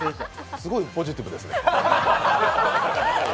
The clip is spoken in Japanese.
すごい、ポジティブですね。